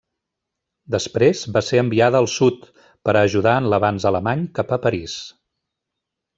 Després va ser enviada al sud, per a ajudar en l'avanç alemany cap a París.